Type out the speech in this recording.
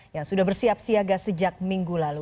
yang sudah bersiap siaga sejak minggu lalu